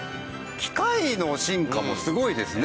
機械の進化もすごいですね。